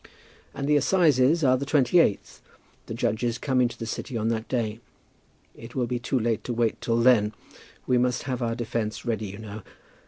"And the assizes are the 28th. The judges come into the city on that day. It will be too late to wait till then. We must have our defence ready you know.